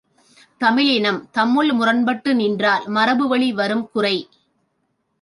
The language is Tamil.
தமிழினம் தம்முள் முரண்பட்டு நிற்றல் மரபுவழி வரும் குறை.